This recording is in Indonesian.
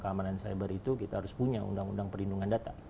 keamanan cyber itu kita harus punya undang undang